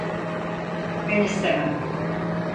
Ben istemem.